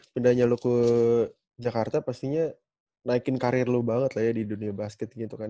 pindahnya lo ke jakarta pastinya naikin karir lo banget lah ya di dunia basket gitu kan